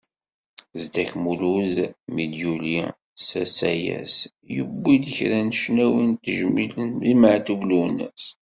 Zedek Mulud mi d-yuli s asayes, yewwi-d kra n ccnawi d tajmilt i Meɛtub Lwennas.